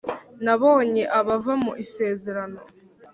Nabonye abava mu isezerano .